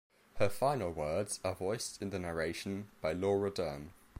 Her final words are voiced in the narration by Laura Dern.